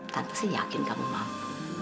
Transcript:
tante sih yakin kamu mampu